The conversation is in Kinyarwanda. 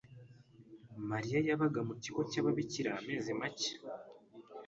Mariya yabaga mu kigo cy'ababikira amezi make.